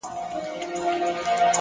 هره ننګونه د پټې ځواک ازموینه ده،